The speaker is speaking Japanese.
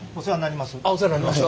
お世話になります。